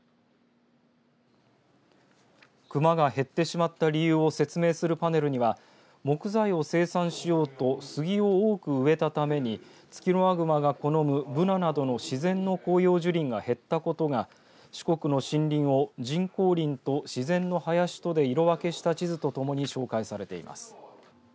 クマが減ってしまった理由を説明するパネルには木材を生産しようとスギを多く植えたためにツキノワグマが好むブナなどの自然の広葉樹林が減ったことが四国の森林を人工林と自然の林とで色分けした地図とともに紹介されています。